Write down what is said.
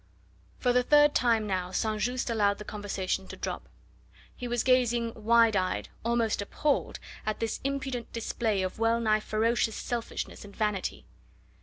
For the third time now St. Just allowed the conversation to drop; he was gazing wide eyed, almost appalled at this impudent display of well nigh ferocious selfishness and vanity.